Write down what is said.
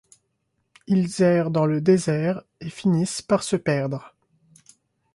Ils errent dans le désert et finissent par se perdre.